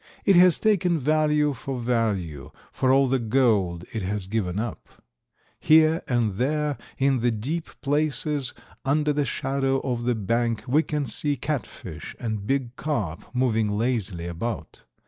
It has taken value for value for all the gold it has given up. Here and there in the deep places under the shadow of the bank we can see catfish and big carp moving lazily about.